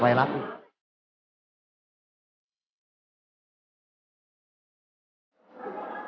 wadih kita tar lagi ya